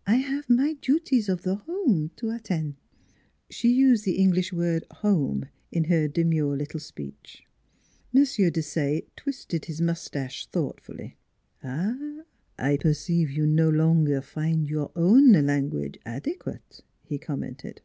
" I have my duties of the home to attend." NEIGHBORS 199 She used the English word home in her demure little speech. M. Desaye twisted his mustache thoughtfully. " Ah ! I perceive you no longer find your own language adequate," he commented.